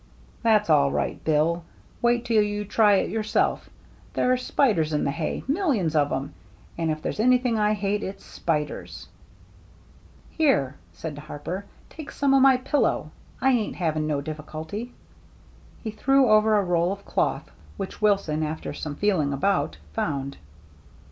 "That's all right. Bill. Wait till you try it yourself. There are spiders in the hay, mill THE GINGHAM DRESS 277 ions of 'em, — and if there's anything I hate, it's spiders." "Here," said Harper, "take some o' my pillow. I ain't having no difficulty." He threw over a roll of cloth, which Wilson, after some feeling about, found.